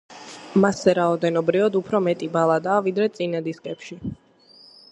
მასზე რაოდენობრივად უფრო მეტი ბალადაა, ვიდრე წინა დისკებში.